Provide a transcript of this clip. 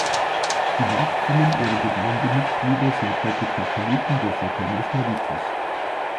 Die Nachkommen ihrer Gemeindemitglieder sind heute Katholiken des lateinischen Ritus.